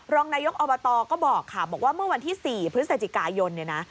รองนายกอบตก็บอกว่าเมื่อวันที่๔พฤษจิกายน